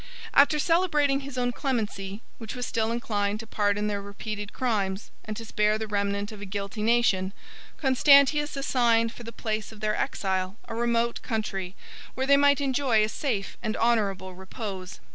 After celebrating his own clemency, which was still inclined to pardon their repeated crimes, and to spare the remnant of a guilty nation, Constantius assigned for the place of their exile a remote country, where they might enjoy a safe and honorable repose.